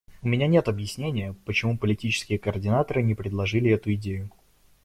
У меня нет объяснения, почему политические координаторы не предложили эту идею.